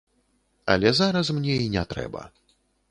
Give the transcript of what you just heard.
Але зараз мне і не трэба.